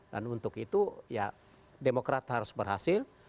dan untuk itu ya demokrat harus berhasil